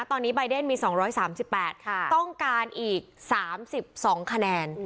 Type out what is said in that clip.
ตอนนี้ใบเดนมี๒๓๘ต้องการอีก๓๒คะแนน